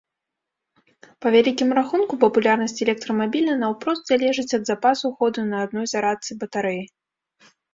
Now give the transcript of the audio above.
Па вялікім рахунку, папулярнасць электрамабіля наўпрост залежыць ад запасу ходу на адной зарадцы батарэі.